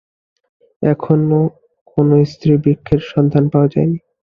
এখনো কোন স্ত্রী বৃক্ষের সন্ধান পাওয়া যায়নি।